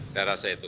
saya rasa itu